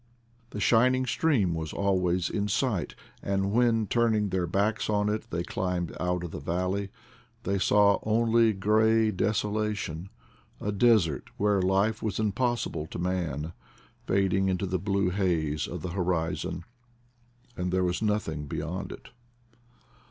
The shining stream was always in sight, and when, turning their backs on it, they climbed out of the valley, they saw only gray desolation — a desert where life was impossible to man — fading into the blue haze of the horizon; and there was nothing beyond it.